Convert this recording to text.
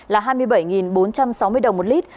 là hai mươi bảy bốn trăm sáu mươi đồng một lít